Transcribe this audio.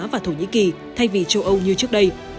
và thổ nhĩ kỳ thay vì châu âu như trước đây